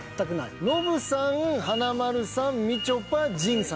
ノブさん華丸さんみちょぱ陣さん。